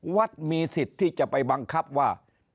มีสิทธิ์ที่จะไปบังคับว่า